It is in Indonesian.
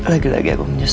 lagi lagi aku menyesal